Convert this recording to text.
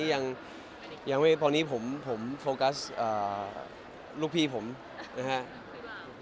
ปราวนี้ผมโฟกัสลูกพี่ผมนะฮะ